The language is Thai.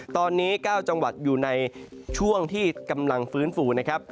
ตอนนี้๙จังหวัดอยู่ในช่วงที่กำลังฟื้นฟูนะครับ